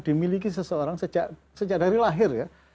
dimiliki seseorang sejak dari lahir ya